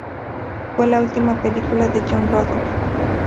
Fue la última película de John Loder.